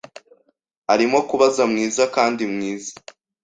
Arimo kuba mwiza kandi mwiza.